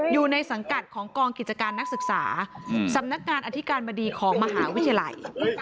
อยู่ในสังกัดของกองกิจการนักศึกษาสำนักงานอธิการบดีของมหาวิทยาลัย